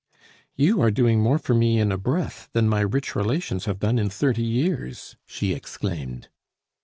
"You are doing more for me in a breath than my rich relations have done in thirty years!" she exclaimed.